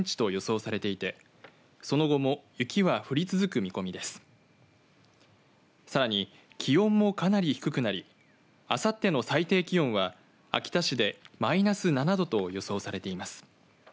さらに気温もかなり低くなりあさっての最低気温は秋田市でマイナス７度と予想されています。